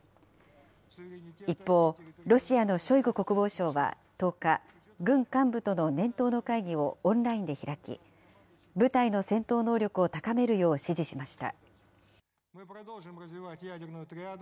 一方、ロシアのショイグ国防相は１０日、軍幹部との年頭の会議をオンラインで開き、部隊の戦闘能力を高めるよう指示しました。